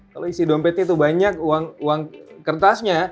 kalau isi dompetnya itu banyak uang kertasnya